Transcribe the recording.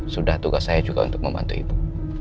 sudah tugas saya juga untuk membantu ibu